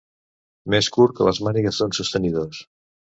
Més curt que les mànigues d'uns sostenidors.